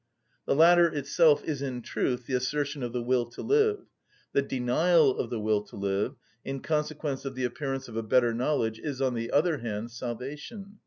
The latter itself is in truth the assertion of the will to live: the denial of the will to live, in consequence of the appearance of a better knowledge, is, on the other hand, salvation.